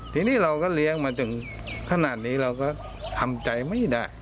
ทีนี้เราก็เลี้ยงมาจนขนาดนี้เราก็ทำใจไม่ได้